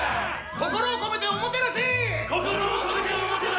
心を込めておもてなし！